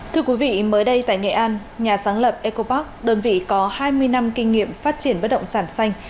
thưa quý vị mới đây tại nghệ an nhà sáng lập eco park đơn vị có hai mươi năm kinh nghiệm phát triển bất động sản xanh